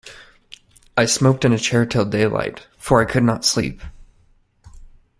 I smoked in a chair till daylight, for I could not sleep.